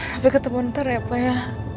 tapi ketemu ntar ya pak ya